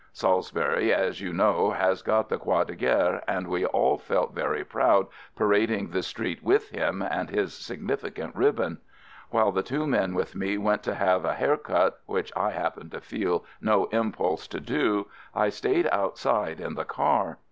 Salisbury as you know has got the croix de guerre, and we all felt very proud parading the street with him, and his significant ribbon. While the two men with me went to have a hair cut, which I happened to feel no impulse to do, I stayed outside in the car.